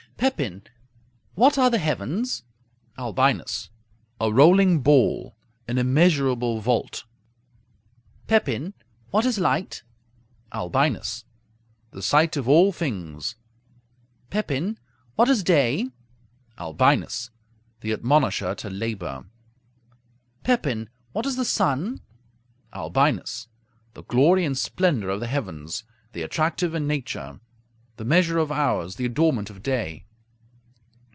Pepin What are the heavens? Albinus A rolling ball; an immeasurable vault. Pepin What is light? Albinus The sight of all things. Pepin What is day? Albinus The admonisher to labor. Pepin What is the sun? Albinus The glory and splendor of the heavens; the attractive in nature; the measure of hours; the adornment of day.